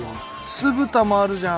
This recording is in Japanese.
酢豚もあるじゃん！